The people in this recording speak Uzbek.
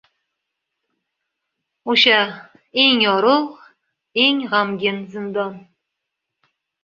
O’sha eng yorug’ eng g’amgin zindon